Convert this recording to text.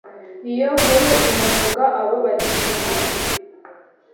Iyo nkuru inavuga abo badiplomate